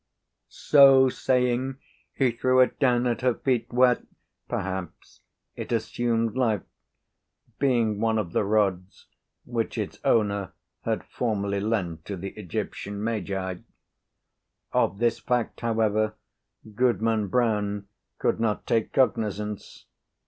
So saying, he threw it down at her feet, where, perhaps, it assumed life, being one of the rods which its owner had formerly lent to the Egyptian magi. Of this fact, however, Goodman Brown could not take cognizance.